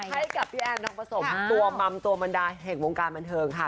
ให้กับพี่แอนทองผสมตัวมัมตัวบรรดาแห่งวงการบันเทิงค่ะ